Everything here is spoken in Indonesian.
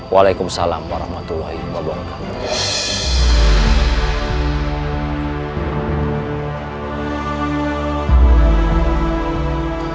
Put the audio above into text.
waalaikumsalam para matulahi wabarakatuh